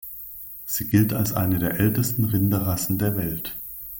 Sie gilt als eine der ältesten Rinderrassen der Welt.